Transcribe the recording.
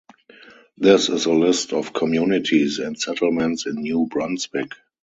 This is a list of communities and settlements in New Brunswick.